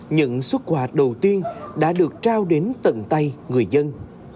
những xuất quà đầu tiên đã được trao đến tận tay người dân